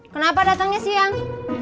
kenapa datangnya siang